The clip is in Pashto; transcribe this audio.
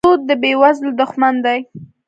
سود د بېوزلو دښمن دی.